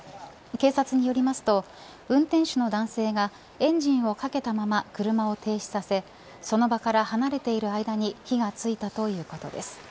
警察によりますと運転手の男性がエンジンをかけたまま車を停止させその場から離れている間に火がついたということです。